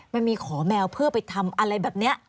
มันมีขอแมวเพื่อไปทำอะไรแบบนี้